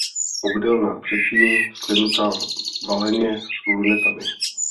Obdélná předsíň sklenuta valeně s lunetami.